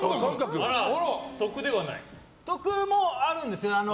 得もあるんですよ。